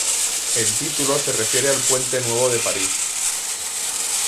El título se refiere al Puente Nuevo de París.